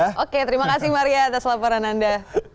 oke terima kasih maria atas laporan anda